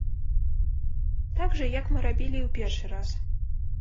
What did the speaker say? Так жа, як мы рабілі і ў першы раз.